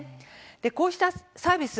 こうしたサービス